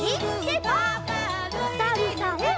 おさるさん。